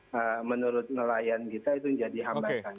nah menurut nelayan kita itu menjadi hambatan